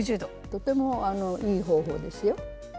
とてもいい方法ですよ。